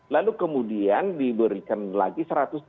lalu kemudian diberikan lagi satu ratus tiga puluh